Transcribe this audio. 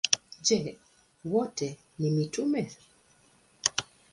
Je, wote ni mitume?